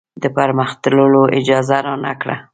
د پرمخ تللو اجازه رانه کړه.